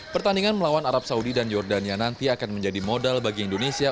pertandingan melawan arab saudi dan jordania nanti akan menjadi modal bagi indonesia